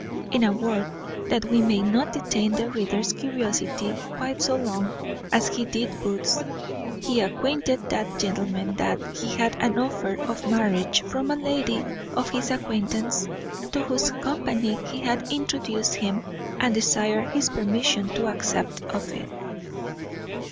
In a word, that we may not detain the reader's curiosity quite so long as he did Booth's, he acquainted that gentleman that he had had an offer of marriage from a lady of his acquaintance, to whose company he had introduced him, and desired his permission to accept of it.